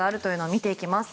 見ていきます。